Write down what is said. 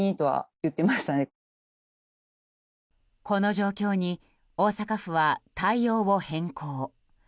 この状況に、大阪府は対応を変更。